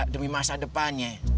demi masa depannya